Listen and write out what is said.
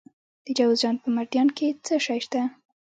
د جوزجان په مردیان کې څه شی شته؟